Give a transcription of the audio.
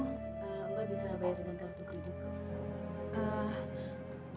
mbak bisa bayar dengan kartu kredit kok